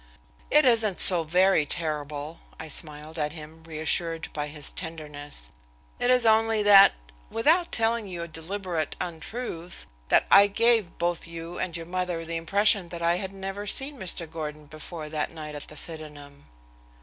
"It isn't so very terrible," I smiled at him reassured by his tenderness. "It is only that without telling you a deliberate untruth, that I gave both you and your mother the impression I had never seen Mr. Gordon before that night at the Sydenham."